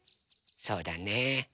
そうだね。